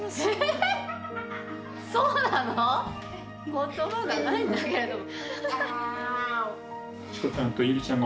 言葉がないんだけれども。